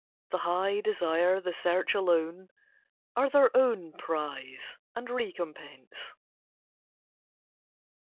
The high desire, the search alone Are their own prize and recompense.